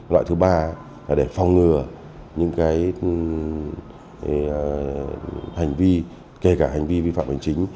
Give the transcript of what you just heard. loại thứ ba là để phòng ngừa những hành vi kể cả hành vi vi phạm hành chính